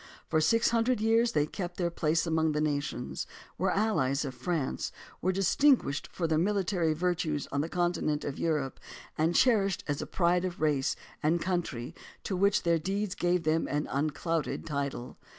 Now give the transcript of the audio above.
For six hundred years they kept their place among the nations, were the allies of France, were distinguished for their military virtues on the continent of Europe, and cherished a pride of race and country to which their deeds gave them an unclouded title.